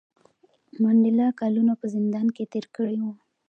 منډېلا کلونه په زندان کې تېر کړي وو.